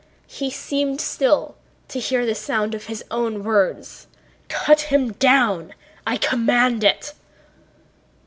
He seemed still to hear the sound of his own words: "Cut him down! I command it...."